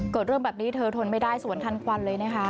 เกิดเรื่องแบบนี้เธอทนไม่ได้สวนทันควันเลยนะคะ